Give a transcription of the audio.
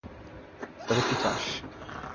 তবে কী চাস?